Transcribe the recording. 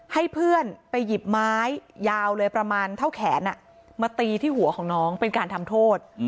ให้เพื่อนไปหยิบไม้ยาวเลยประมาณเท่าแขนมาตีที่หัวของน้องเป็นการทำโทษ